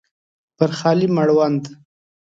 پر خالي مړوند